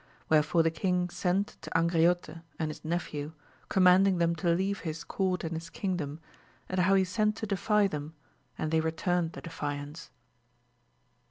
Where fore the king sent to Angriote and his nephew, commanding them to leave his court and his kingdom, and how he sent to defy them, and they returned the defiance.